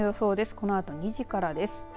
このあと２時からです。